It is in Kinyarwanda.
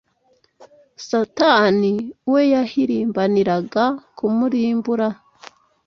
Satani we yahirimbaniraga kumurimbura